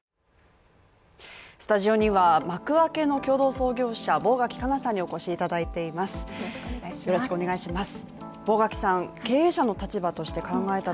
スタジオにはマクアケの共同創業者坊垣佳奈さんにお越しいただいています